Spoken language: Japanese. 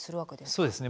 そうですね